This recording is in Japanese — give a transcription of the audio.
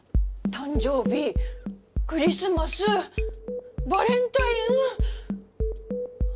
誕生日クリスマスバレンタイン。